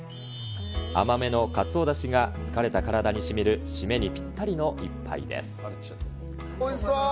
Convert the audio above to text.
甘めのかつおだしが、疲れた体にしみる、締めにぴったりの一杯でおいしそう。